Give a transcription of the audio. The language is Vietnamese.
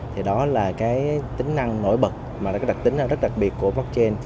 thì đó là cái tính năng nổi bật mà có đặc tính rất đặc biệt của blockchain